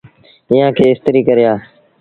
ايٚئآن کي استريٚ ڪري آ۔